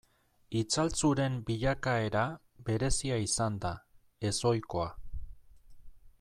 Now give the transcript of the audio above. Itzaltzuren bilakaera berezia izan da, ez ohikoa.